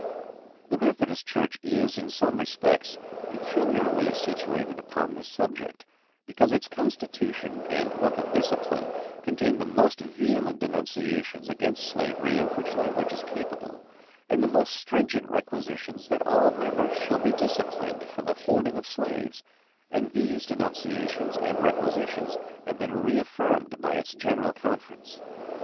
The Methodist Church is, in some respects, peculiarly situated upon this subject, because its constitution and book of discipline contain the most vehement denunciations against slavery of which language is capable, and the most stringent requisitions that all members shall be disciplined for the holding of slaves; and these denunciations and requisitions have been reäffirmed by its General Conference.